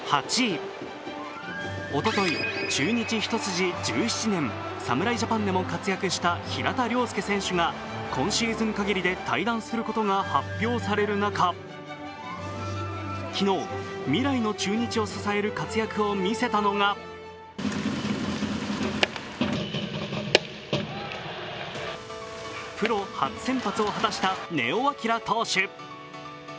おととい、中日一筋１７年、侍ジャパンでも活躍した平田良介選手が今シーズン限りで退団することが発表される中、昨日、未来の中日を支える活躍を見せたのがプロ初先発を果たした根尾昂投手。